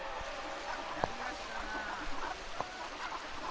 やりましたなあ。